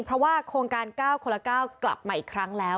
เพราะว่าโครงการ๙คนละ๙กลับมาอีกครั้งแล้ว